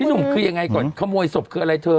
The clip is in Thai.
หนุ่มคือยังไงก่อนขโมยศพคืออะไรเธอ